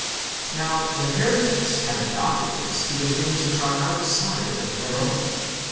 Now, the heretics have adapted this to the things which are outside of the Pleroma.